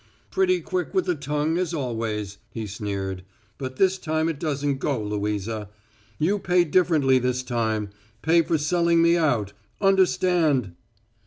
"Pretty quick with the tongue as always," he sneered. "But this time it doesn't go, Louisa. You pay differently this time pay for selling me out. Understand!"